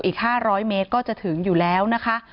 อีก๕๐๐เมตรก็จะถึงอยู่แล้วนะคะ